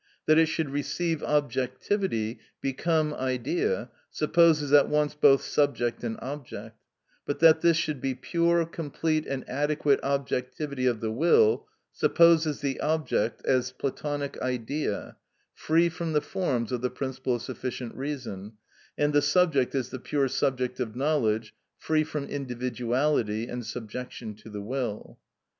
That it should receive objectivity, become idea, supposes at once both subject and object; but that this should be pure, complete, and adequate objectivity of the will, supposes the object as Platonic Idea, free from the forms of the principle of sufficient reason, and the subject as the pure subject of knowledge, free from individuality and subjection to the will.